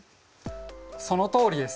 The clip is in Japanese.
そのとおりです。